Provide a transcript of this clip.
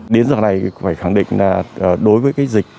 đến giờ này phải khẳng định là đối với dịch